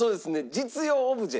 実用オブジェ。